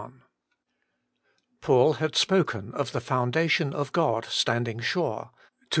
PAUL had spoken of the foundation of God standing sure (ii.